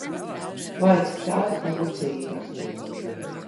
Vai, cik tā ir pūcīga!